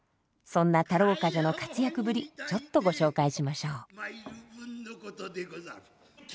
そんな太郎冠者の活躍ぶりちょっとご紹介しましょう。